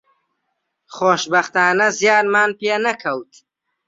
خۆشبەختانە زیانمان پێ نەکەوت